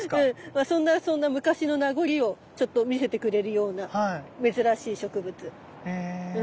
まあそんな昔の名残をちょっと見せてくれるような珍しい植物。へ。